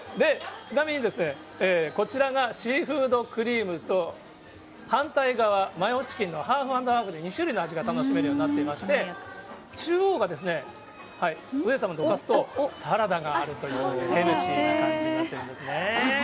ちなみにですね、こちらがシーフードクリームと、反対側、マヨチキンのハーフ＆ハーフで２種類の味が楽しめるようになってまして、中央がですね、上様どかすとサラダがあるという、ヘルシーな感じになってるんですね。